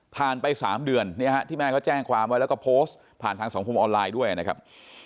ไป๓เดือนที่แม่เขาแจ้งความไว้แล้วก็โพสต์ผ่านทางสังคมออนไลน์ด้วยนะครับ